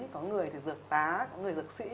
có người thì dược tá có người dược sĩ